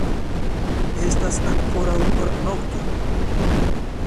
Estas ankoraŭ nokto.